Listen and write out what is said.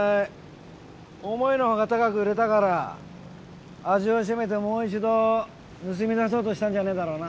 お前思いの外高く売れたから味を占めてもう一度盗み出そうとしたんじゃねえだろうな？